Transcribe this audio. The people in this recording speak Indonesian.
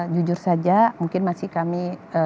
jujur saja mungkin masih kami